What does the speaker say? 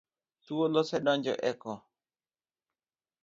Thuol ose donjo e ko.